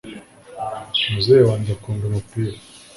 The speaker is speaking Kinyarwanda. muzehe wanjye akunda umupira